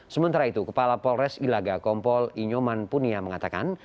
sementara itu kepala polres ilaga kompol inyoman punia mengatakan